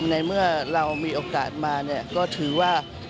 ในเมื่อเรามีโอกาสมาก็ถือว่า